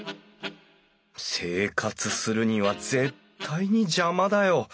生活するには絶対に邪魔だよ。